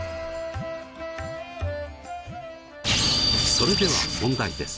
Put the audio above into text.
それでは問題です。